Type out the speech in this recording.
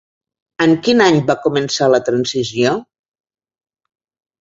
En quin any va començar la transició?